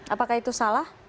apakah itu salah